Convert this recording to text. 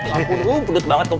aku dulu pendut banget tuh